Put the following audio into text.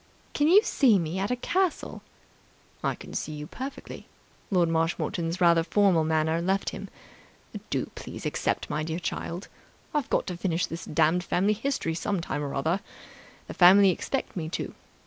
"Can you see me at a castle?" "I can see you perfectly." Lord Marshmoreton's rather formal manner left him. "Do please accept, my dear child. I've got to finish this damned family history some time or other. The family expect me to.